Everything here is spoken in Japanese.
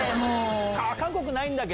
韓国ないんだっけ？